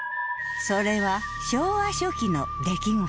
それは昭和初期の出来事。